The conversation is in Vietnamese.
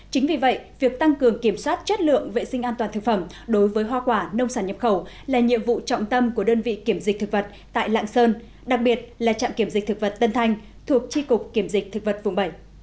chính vì vậy việc tăng cường kiểm soát chất lượng vệ sinh an toàn thực phẩm đối với hoa quả nông sản nhập khẩu là nhiệm vụ trọng tâm của đơn vị kiểm dịch thực vật tại lạng sơn đặc biệt là trạm kiểm dịch thực vật tân thanh thuộc tri cục kiểm dịch thực vật vùng bảy